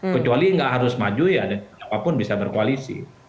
kecuali nggak harus maju ya siapapun bisa berkoalisi